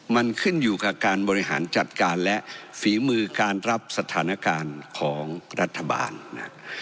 มันขึ้นอยู่กับการบริหารจัดการและฝีมือการรับสถานการณ์ของรัฐบาลนะครับ